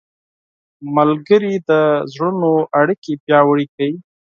ملګري د زړونو اړیکې پیاوړې کوي.